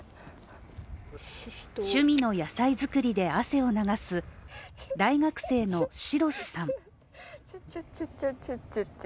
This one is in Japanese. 趣味の野菜作りで汗を流す大学生のしろしさん。